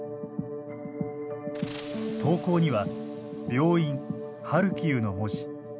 投稿には病院ハルキウの文字。